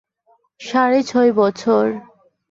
সাড়ে ছয় বছর।